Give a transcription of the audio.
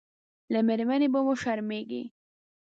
له مېرمنې به وشرمېږي.